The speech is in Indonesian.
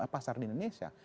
pasar di indonesia